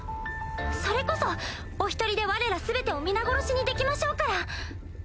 それこそお１人でわれら全てを皆殺しにできましょうから。